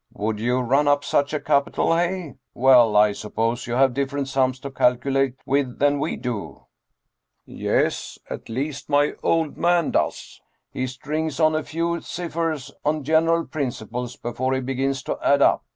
" Would run up such a capital, hey ? Well, I suppose you have different sums to calculate with than we do." " Yes, at least my old man does. He strings on a few ciphers on general principles before he begins to add up.